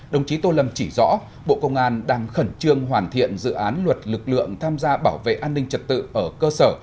đồng chí tô lâm chỉ rõ bộ công an đang khẩn trương hoàn thiện dự án luật lực lượng tham gia bảo vệ an ninh trật tự ở cơ sở